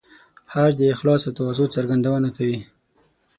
حج د اخلاص او تواضع څرګندونه کوي.